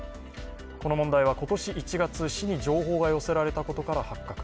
この問題は今年１月、市に情報が寄せられたことから発覚。